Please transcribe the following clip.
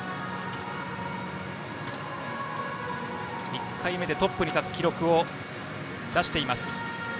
１回目でトップに立つ記録を出しています。